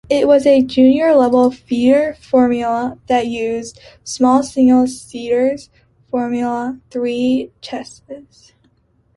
It was a junior-level feeder formula that used small single seater Formula Three chassis.